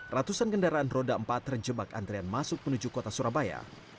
ratusan kendaraan roda empat terjebak antrian masuk menuju kota surabaya